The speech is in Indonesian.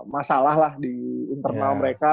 masalah lah di internal mereka